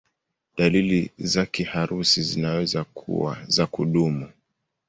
Dalili za kiharusi zinaweza kuwa za kudumu.